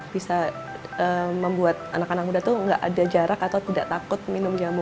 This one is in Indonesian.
bisa membuat anak anak muda itu nggak ada jarak atau tidak takut minum jamu